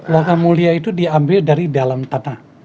laga mulia itu diambil dari dalam tanah